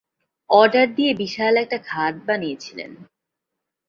Order দিয়ে বিশাল একটা খাট বানিয়েছিলেন।